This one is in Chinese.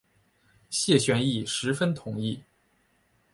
谢玄亦十分同意。